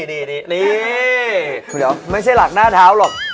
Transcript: นี่เดี๋ยวไม่ใช่หลักหน้าเท้าหรอก